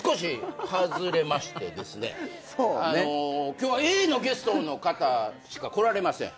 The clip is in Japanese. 今日はＡのゲストの方しか来られません。